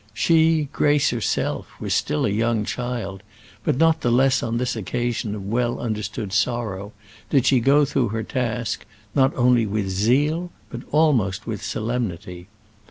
She, Grace herself, was still a young child, but not the less, on this occasion of well understood sorrow, did she go through her task not only with zeal but almost with solemnity.